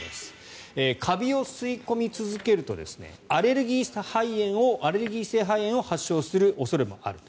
カビを吸い込み続けるとアレルギー性肺炎を発症する恐れもあると。